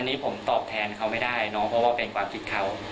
อันนี้ผมตอบแทนเขาไม่ได้เนอะเพราะว่าเป็นความคิดเขา